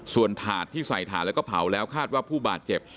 ส่วนถาดที่ใส่ถาดแล้วก็เผาแล้วคาดว่าผู้บาดเจ็บ